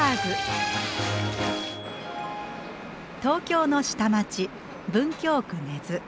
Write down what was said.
東京の下町文京区根津。